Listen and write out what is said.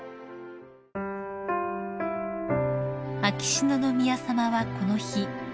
［秋篠宮さまはこの日